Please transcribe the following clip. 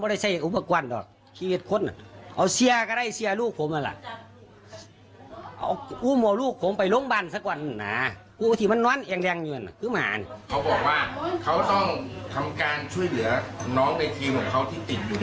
เขาบอกว่าเขาต้องทำการช่วยเหลือน้องในทีมของเขาที่ติดอยู่